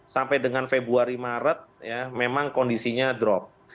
sampai dengan februari maret memang kondisinya drop